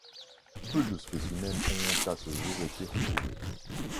Peu de spécimens ont à ce jour été retrouvés.